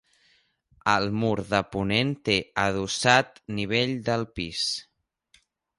El mur de ponent té adossat nivell del pis.